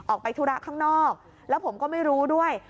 ออกไปธุระข้างนอกแล้วผมก็ไม่รู้ด้วย